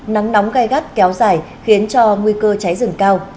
nắng nóng gai gắt kéo dài khiến cho nguy cơ cháy rừng cao